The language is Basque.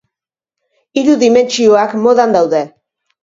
Hiru dimentsioak modan daude.